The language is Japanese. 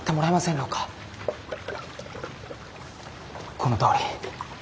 このとおり。